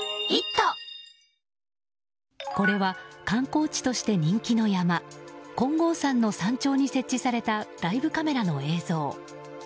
これは観光地として人気の山金剛山の山頂に設置されたライブカメラの映像。